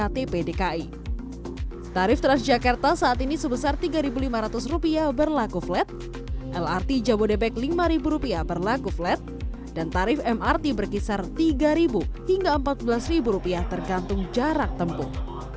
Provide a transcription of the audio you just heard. tarif transjakarta saat ini sebesar rp tiga lima ratus berlaku flat lrt jabodebek rp lima berlaku flat dan tarif mrt berkisar rp tiga hingga rp empat belas tergantung jarak tempuh